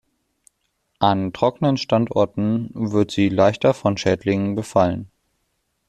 An trockenen Standorten wird sie leichter von Schädlingen befallen.